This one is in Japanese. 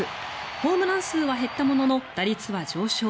ホームラン数は減ったものの打率は上昇。